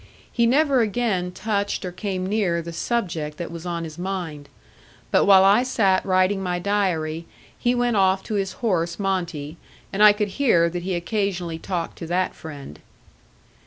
He never again touched or came near the subject that was on his mind, but while I sat writing my diary, he went off to his horse Monte, and I could hear that he occasionally talked to that friend.